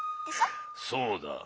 そうだ。